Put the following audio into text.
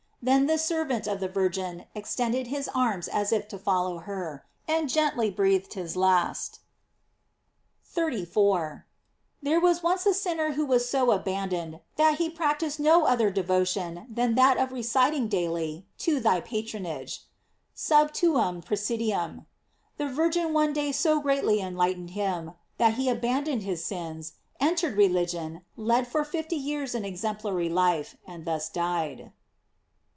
Then this servant of the Virgin extended his arms as if to follow her, and gently breathed his last.f * Ann. Soc. 1650. t Auriem. to. 2, c. 7. t Ibid. GLORIES OF MARY. 699 34. — There was once a sinner who was so abandoned, that he practised no other devotion than that of reciting daily To thy patronage: "Sub tuum presidium." The Virgin one day so greatly enlightened him, that he abandoned his sins, entered religion, led for fifty years an exemplary life, and thus died.